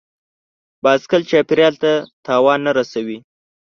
بایسکل چاپېریال ته زیان نه رسوي.